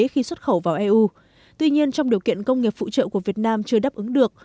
khi xuất khẩu vào eu tuy nhiên trong điều kiện công nghiệp phụ trợ của việt nam chưa đáp ứng được